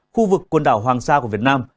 khu vực quần đảo hoàng sa của việt nam